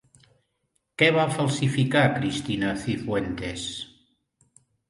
Què va falsificar Cristina Cifuentes?